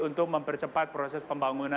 untuk mempercepat proses pembangunan